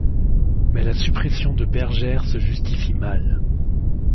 Mais la suppression de Bergère se justifie mal.